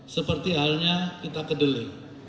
seperti halnya kita kedele